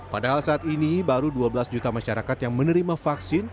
padahal saat ini baru dua belas juta masyarakat yang menerima vaksin